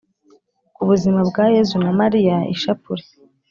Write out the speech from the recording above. ku buzima bwa yezu na mariya. ishapule,